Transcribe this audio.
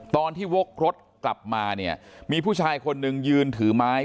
ตอนที่วกรถกลับมาเนี่ยมีผู้ชายคนนึงยืนถือไม้